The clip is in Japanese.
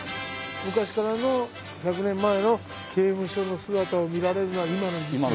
昔からの１００年前の刑務所の姿を見られるのは。